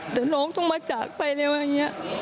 แต่น้องต้องมาจากไปเร็วอย่างนี้